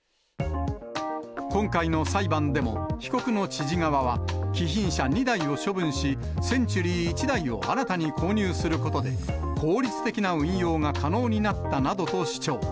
今回の裁判でも、被告の知事側は、貴賓車２台を処分し、センチュリー１台を新たに購入することで、効率的な運用が可能になったなどと主張。